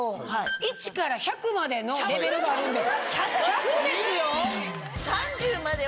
１から１００までのレベルがあるんです。